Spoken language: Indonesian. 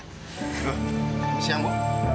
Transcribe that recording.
huh siang bu